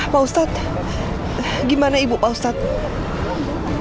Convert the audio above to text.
pak ustadz gimana ibu ustadz